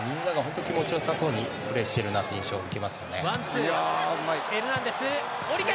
みんなが気持ち良さそうにプレーしている印象を受けますね。